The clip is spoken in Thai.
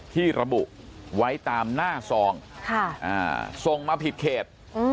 ที่ระบุไว้ตามหน้าซองส่งมาผิดเขต